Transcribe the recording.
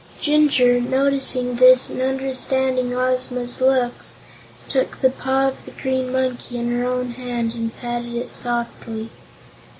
Jinjur, noticing this and understanding Ozma's looks, took the paw of the Green Monkey in her own hand and patted it softly.